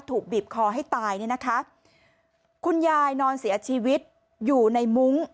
ถูกบีบคอให้ตายเนี่ยนะคะคุณยายนอนเสียชีวิตอยู่ในมุ้ง